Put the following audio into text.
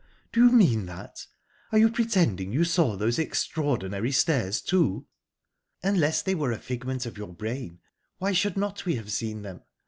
Do you mean that? Are you pretending you saw those extraordinary stairs, too?" "Unless they were a figment of your brain, why should not we have seen them?